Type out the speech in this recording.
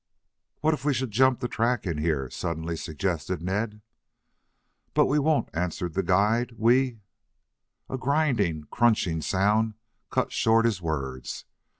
"What if we should jump the track in here?" suddenly suggested Ned. "But we won't," answered the guide. "We " A grinding, crunching sound cut short his words.